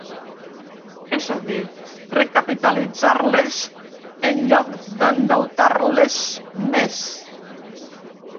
És a dir, recapitalitzar-les en lloc d’endeutar-les més.